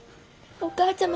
お母ちゃま。